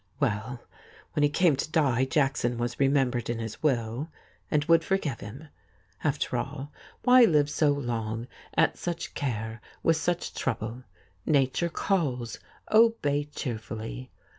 Well, when he came to die Jackson was remembered in his will, and would forgive him. After all, why live so 40 THIS IS ALL long, at such care, with such trouble? Nature calls — ohej cheerfully.